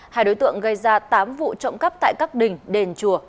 hai đối tượng gây ra tám vụ trộm cắp tại các đình đền chùa